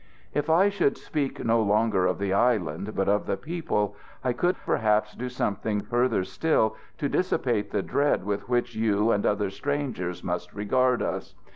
"If I should speak no longer of the island, but of the people, I could perhaps do something further still to dissipate the dread with which you and other strangers must regard us.